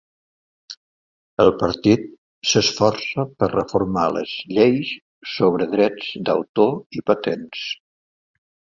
El partit s'esforça per reformar les lleis sobre drets d'autor i patents.